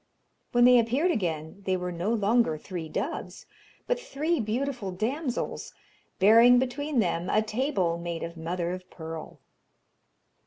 When they appeared again they were no longer three doves, but three beautiful damsels, bearing between them a table made of mother of pearl.